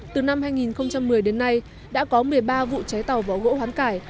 từ năm hai nghìn một mươi đến nay đã có một mươi ba vụ cháy tàu vỏ gỗ hoán cải